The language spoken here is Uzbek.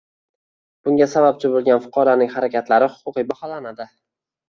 Bunga sababchi boʻlgan fuqaroning harakatlari huquqiy baholanadi.